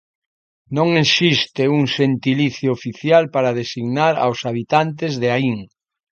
Non existe un xentilicio oficial para designar ós habitantes de Ain.